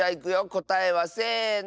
こたえはせの。